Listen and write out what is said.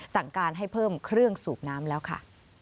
สั่งการให้เพิ่มเครื่องสูบน้ำแล้วค่ะ